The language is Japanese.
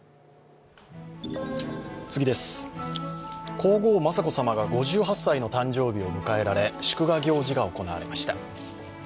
皇后・雅子さまが５８歳の誕生日を迎えられ祝賀行事が行われました。